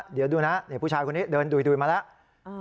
เดี๋ยวดูนะผู้ชายคนนี้เดินดุยมาแล้ว